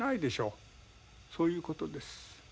そういうことです。